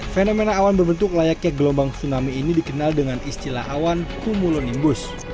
fenomena awan berbentuk layaknya gelombang tsunami ini dikenal dengan istilah awan kumulonimbus